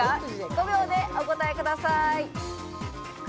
５秒でお答えください。